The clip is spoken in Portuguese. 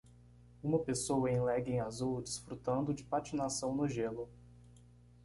Uma pessoa em legging azul desfrutando de patinação no gelo.